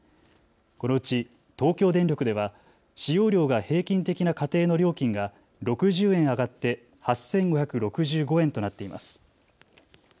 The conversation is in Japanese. このうち東京電力では使用量が平均的な家庭の料金が６０円上がって８５６５円となっています。